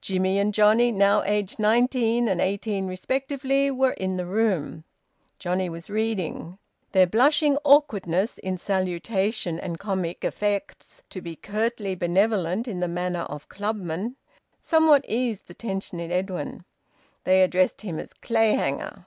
Jimmie and Johnnie, now aged nineteen and eighteen respectively, were in the room; Johnnie was reading; their blushing awkwardness in salutation and comic efforts to be curtly benevolent in the manner of clubmen somewhat eased the tension in Edwin. They addressed him as `Clayhanger.'